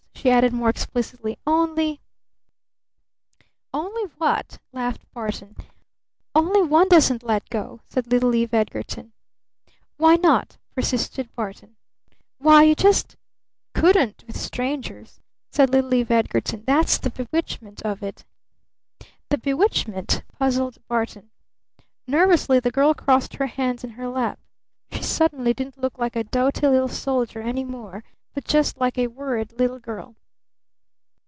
she added more explicitly. "Only " "Only what?" laughed Barton. "Only one doesn't let go," said little Eve Edgarton. "Why not?" persisted Barton. "Why, you just couldn't with strangers," said little Eve Edgarton. "That's the bewitchment of it." "The bewitchment?" puzzled Barton. Nervously the girl crossed her hands in her lap. She suddenly didn't look like a doughty little soldier any more, but just like a worried little girl.